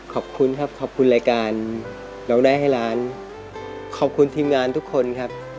ขอบคุณครับขอบคุณรายการร้องได้ให้ล้านขอบคุณทีมงานทุกคนครับ